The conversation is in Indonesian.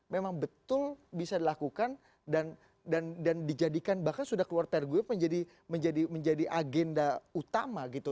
memang betul bisa dilakukan dan dijadikan bahkan sudah keluar pergub menjadi agenda utama gitu